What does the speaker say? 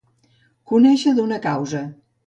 Conèixer d'una causa.